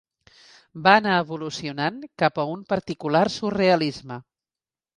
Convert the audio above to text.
Va anar evolucionant cap a un particular surrealisme.